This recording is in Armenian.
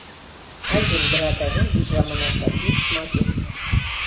Այժմ դրա տեղում իր ժամանակակից մակետն է։